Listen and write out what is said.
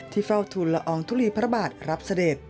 เฝ้าทุนละอองทุลีพระบาทรับเสด็จ